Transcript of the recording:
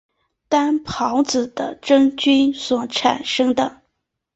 担孢子的真菌所产生的。